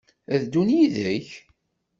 Ad d-ddun yid-k?